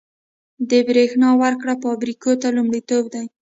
د بریښنا ورکړه فابریکو ته لومړیتوب دی